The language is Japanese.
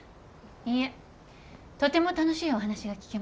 いいえとても楽しいお話が聞けました。